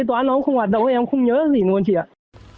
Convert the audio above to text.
còn cung cấp một thông tin rất bất ngờ